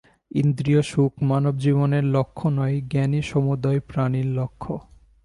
ইন্দ্রিয়সুখ মানব-জীবনের লক্ষ্য নয়, জ্ঞানই সমুদয় প্রাণীর লক্ষ্য।